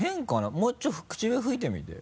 もうちょっと口笛吹いてみて。